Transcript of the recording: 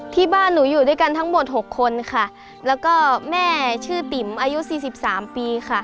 ที่บ้านหนูอยู่ด้วยกันทั้งหมดหกคนค่ะแล้วก็แม่ชื่อติ๋มอายุสี่สิบสามปีค่ะ